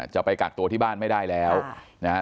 จะไปกักตัวที่บ้านไม่ได้แล้วนะฮะ